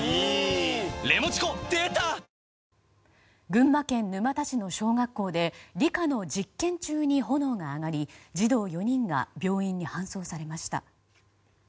群馬県沼田市の小学校で理科の実験中に炎が上がり、児童４人が病院に搬送されました。